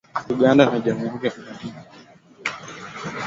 Uganda na Jamhuri ya Kidemokrasi ya Kongo siku ya Jumatano ziliongeza